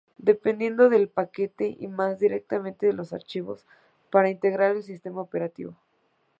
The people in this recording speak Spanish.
Dependiendo del paquete y más directamente de los archivos para integrar el sistema operativo.